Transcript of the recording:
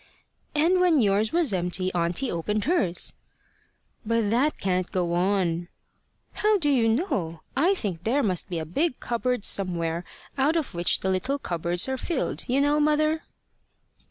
"And when yours was empty, auntie opened hers." "But that can't go on." "How do you know? I think there must be a big cupboard somewhere, out of which the little cupboards are filled, you know, mother."